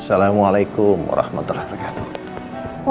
assalamualaikum wr wb